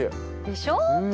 でしょ？